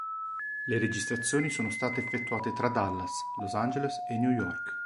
Le registrazioni sono state effettuate tra Dallas, Los Angeles e New York.